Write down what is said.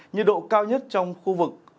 nhiệt độ cao nhất trong khu vực